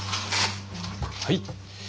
はい。